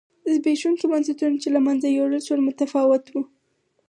زبېښونکي بنسټونه چې له منځه یووړل شول متفاوت و.